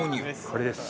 これです。